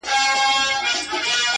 بلکې د هغه د نفسیاتي چلند